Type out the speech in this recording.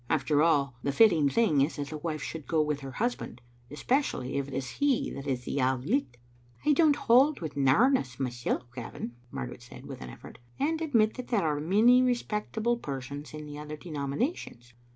After all, the fitting thing is that the wife should go with her husband; especially if it is he that is the Auld Licht. " "I don't hold with narrowness myself, Gavin," Mar garet said, with an effort, "and admit that there are many respectable persons in the other denominations.